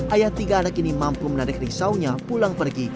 ayah tiga anak ini mampu menarik riksaunya pulang pergi